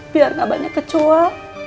biar gak banyak kecoa